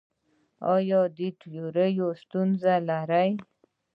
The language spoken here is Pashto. ایا د تیرولو ستونزه لرئ؟